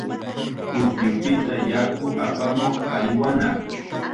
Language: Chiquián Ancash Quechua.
Pukyupita yaku apamuq aywanaq.